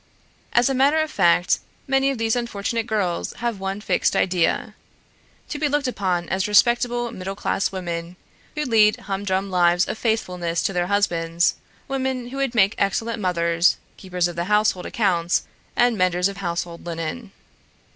As a matter of fact, many of these unfortunate girls have one fixed idea, to be looked upon as respectable middle class women, who lead humdrum lives of faithfulness to their husbands; women who would make excellent mothers, keepers of household accounts, and menders of household linen.